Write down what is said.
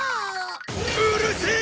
うるせえ！